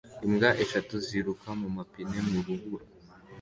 Imbwa eshatu ziruka mumapine mu rubura